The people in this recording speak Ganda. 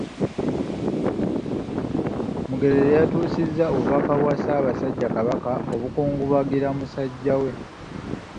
Mugerere yatuusizza obubaka bwa Ssaabasajja Kabaka obukungubagira musajja we.